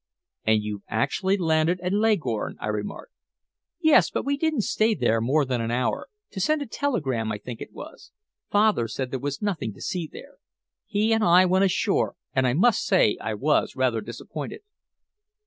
"And you've actually landed at Leghorn!" I remarked. "Yes, but we didn't stay there more than an hour to send a telegram, I think it was. Father said there was nothing to see there. He and I went ashore, and I must say I was rather disappointed."